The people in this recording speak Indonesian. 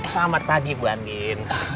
selamat pagi bu andien